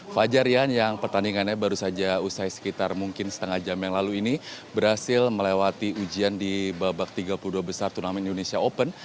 fajar rian yang pertandingannya baru saja usai sekitar mungkin setengah jam yang lalu ini berhasil melewati ujian di babak tiga puluh dua besar turnamen indonesia open